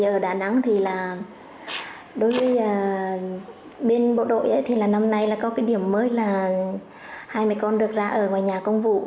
ở đà nẵng thì đối với bên bộ đội thì năm nay có điểm mới là hai mẹ con được ra ở ngoài nhà công vụ